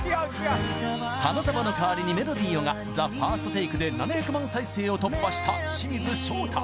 「花束のかわりにメロディーを」がＴＨＥＦ１ＲＳＴＴＡＫＥで７００万再生を突破した清水翔太